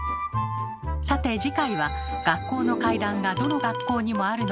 さて次回は「学校の怪談がどの学校にもあるのはなぜ？」